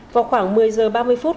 vào khoảng một mươi h ba mươi phút